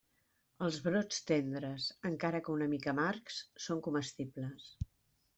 Els brots tendres, encara que una mica amargs, són comestibles.